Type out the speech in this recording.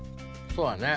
そうやね。